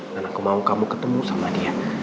dan aku mau kamu ketemu sama dia